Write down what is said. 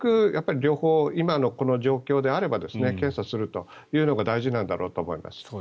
両方今のこの状況であれば検査するというのが大事なんだろうと思います。